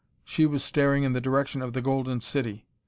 She was staring in the direction of the Golden City.